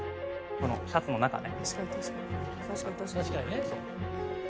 このシャツの中ね。